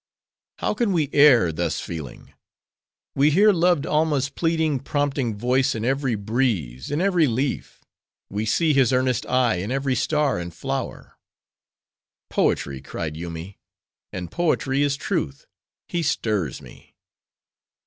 How can we err, thus feeling? We hear loved Alma's pleading, prompting voice, in every breeze, in every leaf; we see his earnest eye in every star and flower." "Poetry!" cried Yoomy; "and poetry is truth! He stirs me."